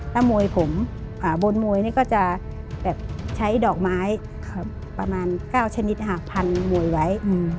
ตั้งโมยผมบนโมยก็จะใช้ดอกไม้ประมาณ๙ชนิดพันโมยไว้